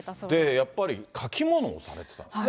やっぱり書き物をされてたんですね。